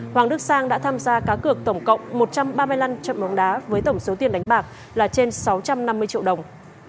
hoàng đức sang đã tham gia cá cược tổng cộng một trăm ba mươi năm trận bóng đá với tổng số tiền đánh bạc là trên sáu trăm năm mươi triệu đồng